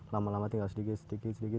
lama lama tinggal sedikit sedikit sedikit